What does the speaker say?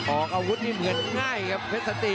ออกอาวุธนี่เหมือนง่ายครับเพชรสติ